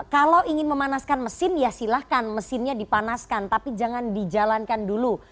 kalau ingin memanaskan mesin ya silahkan mesinnya dipanaskan tapi jangan dijalankan dulu